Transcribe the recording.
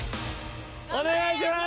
お願いします。